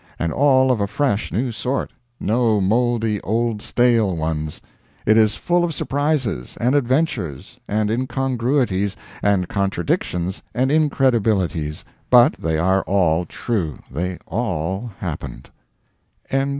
And all of a fresh new sort, no mouldy old stale ones. It is full of surprises, and adventures, and incongruities, and contradictions, and incredibilities; but they are all true, they all happened.